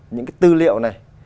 những cái tư liệu này